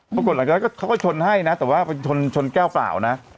ปรากฏหลังจากนั้นเขาก็ชนให้นะแต่ว่าไปชนแก้วเปล่านะ